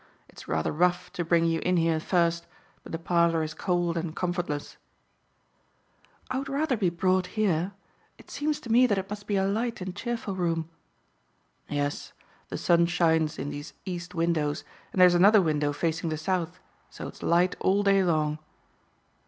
It was rather rough to bring you in here first, but the parlor is cold and comfortless. "I would rather be brought here. It seems to me that it must be a light and cheerful room." "Yes, the sun shines in these east windows, and there's another window facing the south, so it's light all day long."